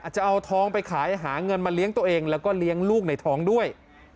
จะเอาทองไปขายหาเงินมาเลี้ยงตัวเองแล้วก็เลี้ยงลูกในท้องด้วย